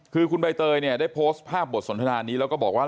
คือคุณใบเตยเนี่ยได้โพสต์ภาพบทสนทนานี้แล้วก็บอกว่า